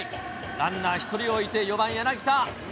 ランナー１人を置いて４番柳田。